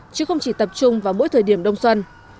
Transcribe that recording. chứ không chỉ tập trung vào mỗi thời điểm đông xuân